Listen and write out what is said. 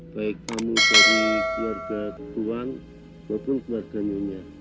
baik kamu dari keluarga tuan maupun keluarga nyonya